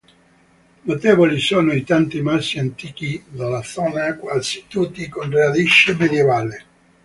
Notevoli sono i tanti masi antichi della zona, quasi tutti con radice medievale.